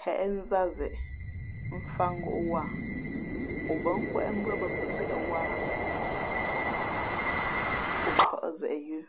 Hěʼ nzāt zeʼe, mfāt ngōʼ wāha o bά nkwéʼ mbʉ́άbᾱ pəpēʼ wāha o fα̌ʼ zeʼ yə̌.